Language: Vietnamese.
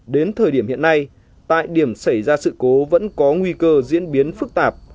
đến thời điểm hiện nay tại điểm xảy ra sự cố vẫn có nguy cơ diễn biến phức tạp